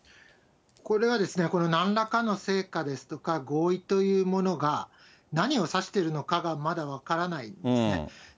これはですね、このなんらかの成果ですとか、合意というものが、何を指しているのかがまだ分からないんですね。